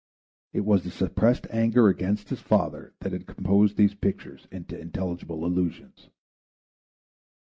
It was the suppressed anger against his father that had composed these pictures into intelligible allusions.